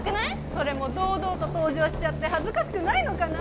・それも堂々と登場しちゃって恥ずかしくないのかな？